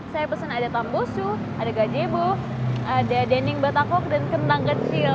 saya pesen ada tambosu ada gajebo ada dening batakok dan kentang kecil